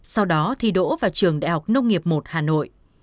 sau đó thi đỗ vào trường đại học nông nghiệp một hà nội